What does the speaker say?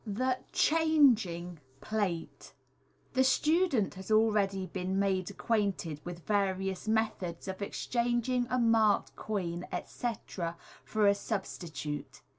Thb " Changing " Platb. — The student has already been made acquainted with various methods of exchanging a marked coin, etc., for a substitute.